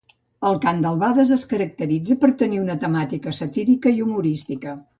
El cant d'albades es caracteritza per tenir una temàtica satírica i humorística.